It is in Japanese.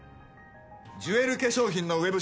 ジュエル化粧品のウェブ